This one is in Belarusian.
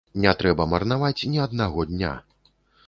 Не трэба марнаваць ні аднаго дня.